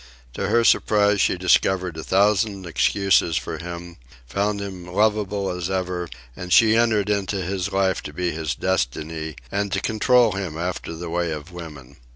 To her surprise she discovered a thousand excuses for him, found him lovable as ever; and she entered into his life to be his destiny, and to control him after the way of women.